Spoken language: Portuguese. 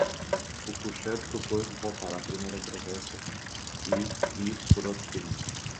O cocheiro propôs-lhe voltar à primeira travessa, e ir por outro caminho: